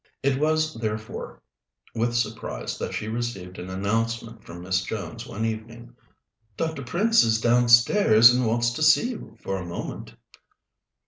It was therefore with surprise that she received an announcement from Miss Jones one evening: "Dr. Prince is downstairs and wants to see you for a moment."